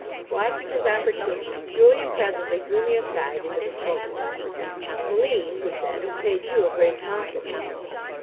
Watching his opportunity, Julian presently drew me aside into the smoking room. "Malim," he said, "has paid you a great compliment."